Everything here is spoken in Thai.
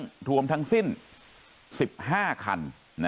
รวมทั้งสิ้น๑๕คัน